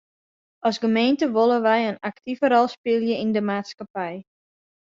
As gemeente wolle wy in aktive rol spylje yn de maatskippij.